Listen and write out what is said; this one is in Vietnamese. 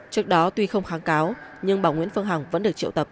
trước đó tuy không kháng cáo nhưng bà nguyễn phương hằng vẫn được triệu tập